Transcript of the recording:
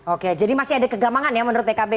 oke jadi masih ada kegamangan ya menurut pkb